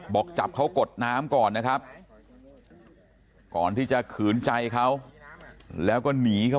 บอกจับเขากดน้ำก่อนนะครับก่อนที่จะขืนใจเขาแล้วก็หนีเข้า